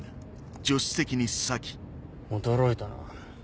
驚いたな。